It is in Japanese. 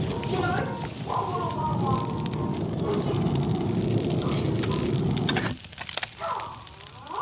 「プシュッ！クビグビグビカァーッ！」